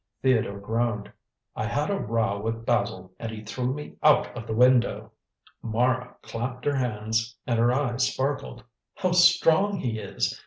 Theodore groaned. "I had a row with Basil and he threw me out of the window." Mara clapped her hands and her eyes sparkled. "How strong he is!"